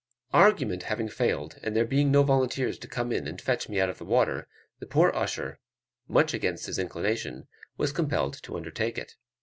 Argument having failed, and there being no volunteers to come in and fetch me out of the water, the poor usher, much against his inclination, was compelled to undertake it.